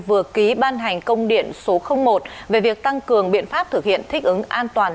vừa ký ban hành công điện số một về việc tăng cường biện pháp thực hiện thích ứng an toàn